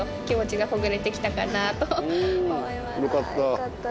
よかった。